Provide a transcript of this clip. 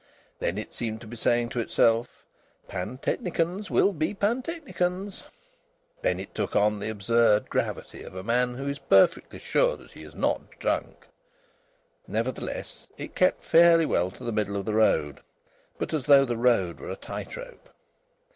Then it seemed to be saying to itself: "Pantechnicons will be pantechnicons." Then it took on the absurd gravity of a man who is perfectly sure that he is not drunk. Nevertheless it kept fairly well to the middle of the road, but as though the road were a tight rope.